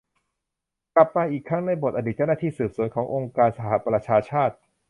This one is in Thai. กลับมาอีกครั้งในบทอดีตเจ้าหน้าที่สืบสวนขององค์การสหประชาชาติ